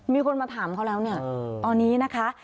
มีคนมาถามเขาแล้วเนี่ยตอนนี้นะคะ